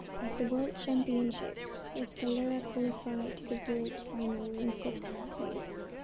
At the World Championships Escalera qualified to the vault final in sixth place.